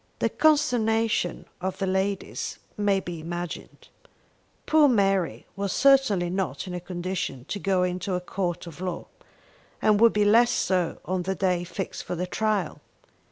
The consternation of the ladies may be imagined. Poor Mary was certainly not in a condition to go into a court of law, and would be less so on the day fixed for the trial.